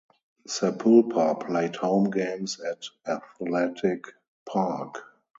Sapulpa played home games at Athletic Park.